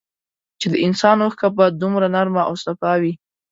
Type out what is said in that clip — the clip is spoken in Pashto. چي د انسان اوښکه به دومره نرمه او سپا وې